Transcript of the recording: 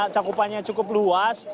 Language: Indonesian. rupanya cukup luas